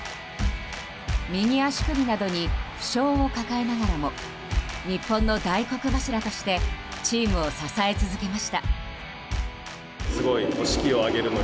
右足首などに負傷を抱えながらも日本の大黒柱としてチームを支え続けました。